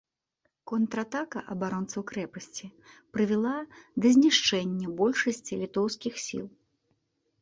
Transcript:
Контратака абаронцаў крэпасці прывяла да знішчэння большасці літоўскіх сіл.